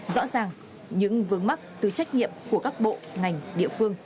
rõ ràng những vướng mắt từ trách nhiệm của các bộ ngành địa phương